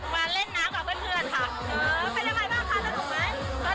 มาเล่นนักกับเพื่อนค่ะ